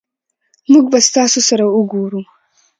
مونږ به ستاسو سره اوګورو